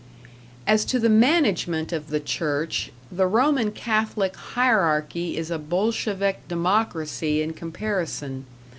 As to the management of the Church, the Roman Catholic hierarchy is a Bolshevik democracy in comparison.